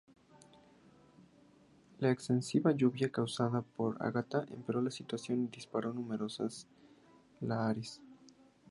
La excesiva lluvia causada por Agatha empeoró la situación y disparó numerosos lahares.